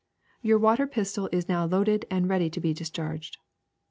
Your water pistol is now loaded and ready to be discharged.